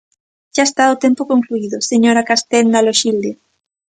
Xa está o tempo concluído, señora Castenda Loxilde.